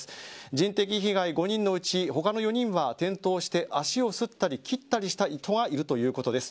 人的被害５人のうち他の４人は、転倒して足をすったり切ったりした人がいるということです。